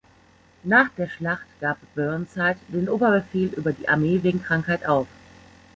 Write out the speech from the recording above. Nach der Schlacht gab Burnside den Oberbefehl über die Armee wegen Krankheit auf.